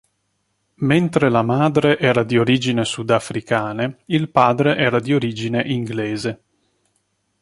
Mentre la madre era di origine sudafricane, il padre era di origine inglese.